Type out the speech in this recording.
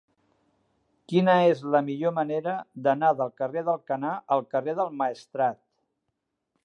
Quina és la millor manera d'anar del carrer d'Alcanar al carrer del Maestrat?